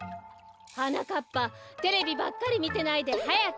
はなかっぱテレビばっかりみてないではやくしゅくだいしなさい。